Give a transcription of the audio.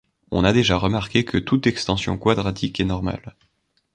On a déjà remarqué que toute extension quadratique est normale.